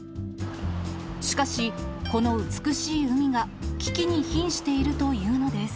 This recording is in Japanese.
しかし、この美しい海が危機に瀕しているというのです。